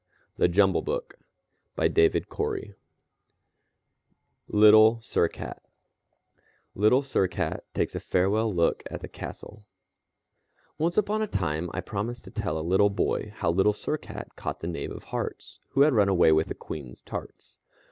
The Jumble Book LITTLE SIR CAT Little Sir Cat Takes a Farewell Look at the Castle Once upon a time I promised to tell a little boy how Little Sir Cat caught the Knave of Hearts who had run away with the Queen's tarts.